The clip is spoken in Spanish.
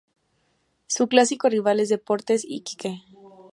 Su clásico rival es Deportes Iquique.